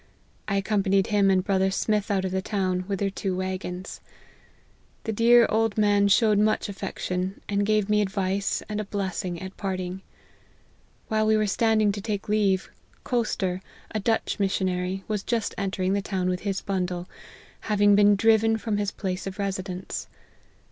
I accom panied him and brother Smith out of the town, with their two wagons. The dear old man showed much affection, and gave me advice, and a blessing at parting. While we were standing to take leave, Koster, a Dutch missionary, was just entering the town with his bundle, having been driven from his place of residence.